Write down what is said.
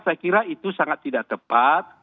saya kira itu sangat tidak tepat